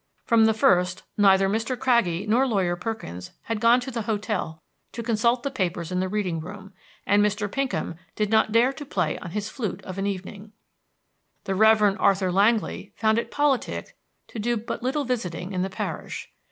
From the first neither Mr. Craggie nor Lawyer Perkins had gone to the hotel to consult the papers in the reading room, and Mr. Pinkham did not dare to play on his flute of an evening. The Rev. Arthur Langly found it politic to do but little visiting in the parish.